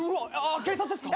警察ですか？